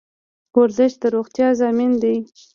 ورزش د روغتیا ضامن دی